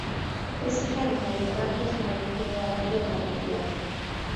Es hija de Mario Campos y María Eugenia Araya Madariaga.